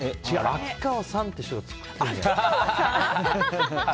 秋川さんって人が作ってるんじゃない？